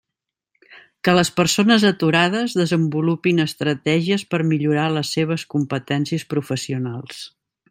Que les persones aturades desenvolupin estratègies per millorar les seves competències professionals.